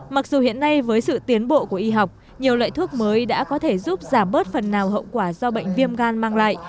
mặc dù hiện nay với sự tiến bộ của y học nhiều loại thuốc mới đã có thể giúp giảm bớt phần nào hậu quả do bệnh viêm gan mang lại